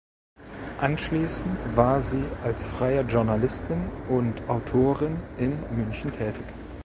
Anschließend war sie als freie Journalistin und Autorin in München tätig.